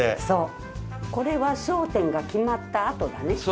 そうこれは『笑点』が決まった後だね。